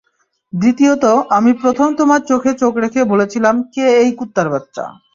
দ্বিতীয়ত, আমি প্রথম তোমার চোখে চোখ রেখে বলেছিলাম কে এই কুত্তার বাচ্চা?